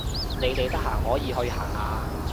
你哋得閒可以去行下